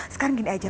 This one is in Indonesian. sekarang gini aja